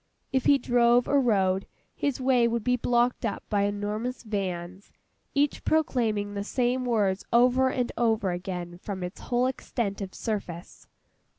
If he drove or rode, his way would be blocked up by enormous vans, each proclaiming the same words over and over again from its whole extent of surface.